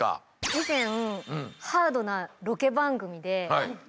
以前ハードなロケ番組でこのお城。